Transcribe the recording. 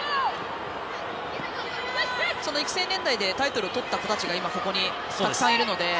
その育成年代でタイトルとった子たちが今、ここにたくさんいるので。